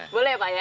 boleh ya pak ya